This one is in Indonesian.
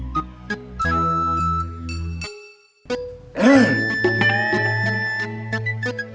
sumbin kamu tadi ngeboncengin mas suha